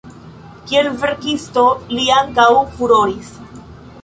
Kiel verkisto li ankaŭ furoris.